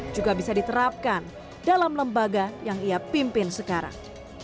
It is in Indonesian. juga bisa diterapkan dalam lembaga yang ia pimpin sekarang